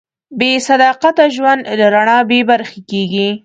بېصداقته ژوند له رڼا بېبرخې کېږي.